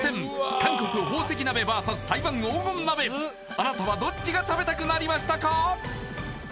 韓国宝石鍋ＶＳ台湾黄金鍋あなたはどっちが食べたくなりましたか？